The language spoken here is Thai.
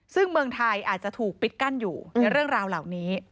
ซึ่งเมืองไทยอาจจะถูกปิดกั้นอยู่ในเรื่องราวเหล่านี้